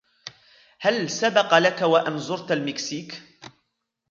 هل سبق لك و أن زرت المكسيك ؟